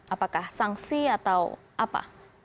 apakah sanksi atau apa